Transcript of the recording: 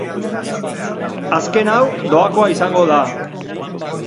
Azken hau doakoa izango da.